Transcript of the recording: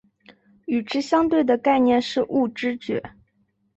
与之相对的概念是物知觉。